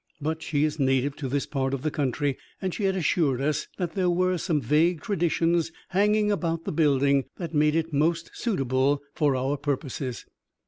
But she is native to this part of the country, and she had assured us that there were some vague traditions hanging about the building that made it most suitable for our purposes.